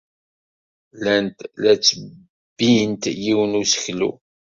Llant la ttebbint yiwen n useklu.